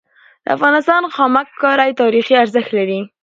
د افغانستان خامک کاری تاریخي ارزښت لري.